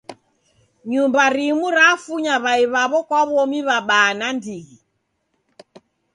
Nyumba rimu rafunya w'ai w'awo kwa w'omi w'abaa nandighi.